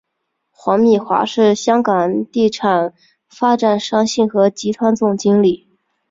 黄敏华是香港地产发展商信和集团总经理。